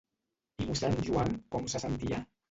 I mossèn Joan com se sentia?